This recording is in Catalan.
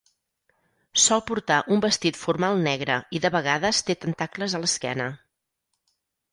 Sol portar un vestit formal negre i de vegades té tentacles a l'esquena.